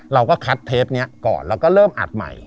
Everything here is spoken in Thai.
เราก็คัดเทปนี้ก่อนแล้วก็เริ่มอัดใหม่